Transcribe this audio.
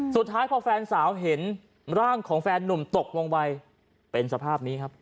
สุดท้ายพอแฟนสาวเห็นร่างของแฟนนุ่มตกลงไปเป็นสภาพนี้ครับ